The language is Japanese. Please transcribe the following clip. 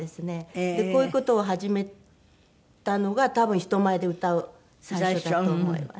こういう事を始めたのが多分人前で歌う最初だと思います。